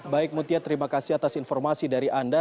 baik mutia terima kasih atas informasi dari anda